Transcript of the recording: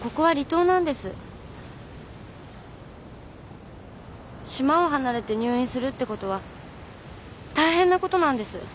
島を離れて入院するってことは大変なことなんです。